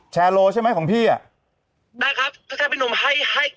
ชาโลใช่ไหมของพี่อ่ะได้ครับทุกชายพี่หนุ่มให้เกียรติมาออก